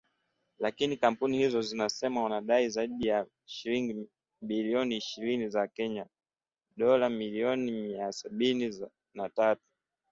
Lakini kampuni hizo zinasema wanadai zaidi ya shilingi bilioni ishirini za Kenya, dola milioni mia sabini na tatu.